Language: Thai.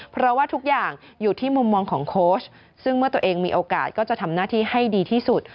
เพราะว่าทุกอย่างอยู่ที่มุมมองของโค้ชซึ่งเมื่อตัวเองมีโอกาสก็จะทำหน้าที่ให้ดีที่สุด